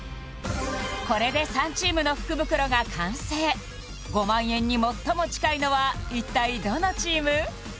これで３チームの福袋が完成５万円に最も近いのは一体どのチーム？